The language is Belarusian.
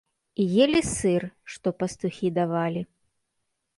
І елі сыр, што пастухі давалі.